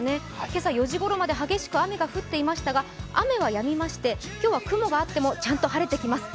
今朝４時ごろまで激しく雨が降っていましたが雨はやみまして、今日は雲があっても、ちゃんと晴れてきます。